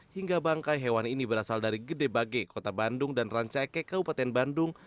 hingga bangkai hewan ini berasal dari gede bage kota bandung dan rancaike kabupaten bandung